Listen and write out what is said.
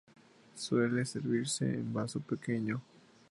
Suele servirse en vaso pequeño.